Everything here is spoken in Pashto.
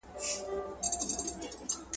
زکات د شتمن په مال کي د غریب لپاره برکت دی.